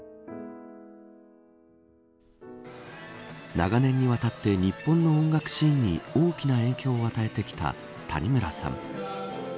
長年にわたって日本の音楽シーンに大きな影響を与えてきた谷村さん。